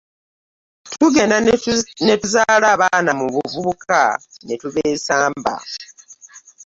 Tugenda ne tuzaala abaana mu buvubuka ne tubeesamba.